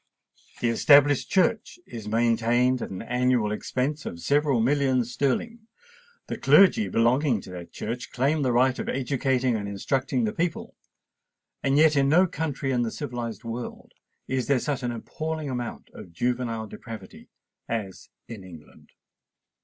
The Established Church is maintained at an annual expense of several millions sterling; the clergy belonging to that Church claim the right of educating and instructing the people;—and yet in no country in the civilised world is there such an appalling amount of juvenile depravity as in England!